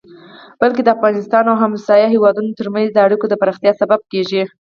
بلکې د افغانستان او ګاونډيو هيوادونو ترمنځ د اړيکو د پراختيا سبب کيږي.